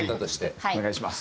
お願いします。